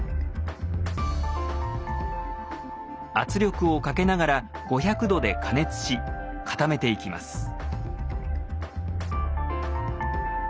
圧力をかけながら５００度で加熱し固めていきます。